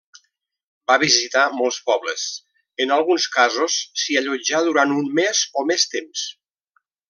Va visitar molts pobles, en alguns casos s'hi allotjà durant un mes o més temps.